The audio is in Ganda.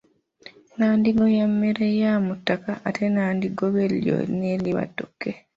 Nandigoya mmere ya mu ttaka ate nandigobe lyo ne liba ttooke.